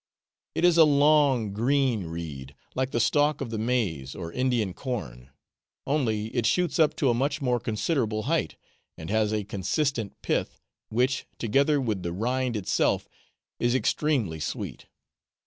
It is a long green reed, like the stalk of the maize, or Indian corn, only it shoots up to a much more considerable height, and has a consistent pith, which, together with the rind itself, is extremely sweet.